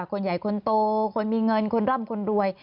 คนใหญ่คนโตคนมีเงินคนร่ำคนรวย